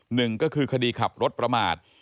หนึ่งก็คือคดีขับรถประมาท